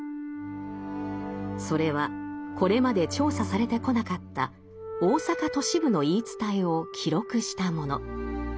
それはこれまで調査されてこなかった大阪都市部の言い伝えを記録したもの。